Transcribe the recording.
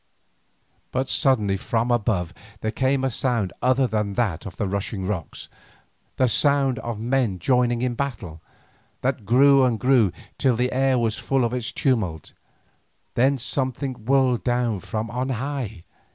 But suddenly from above there came a sound other than that of the rushing rocks, the sound of men joining in battle, that grew and grew till the air was full of its tumult, then something whirled down from on high.